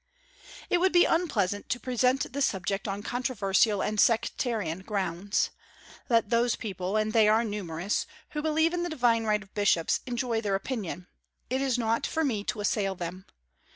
It would be unpleasant to present this subject on controversial and sectarian grounds. Let those people and they are numerous who believe in the divine right of bishops, enjoy their opinion; it is not for me to assail them.